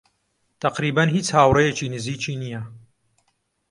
تەقریبەن هیچ هاوڕێیەکی نزیکی نییە.